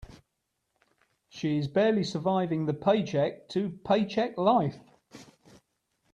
She is barely surviving the paycheck to paycheck life.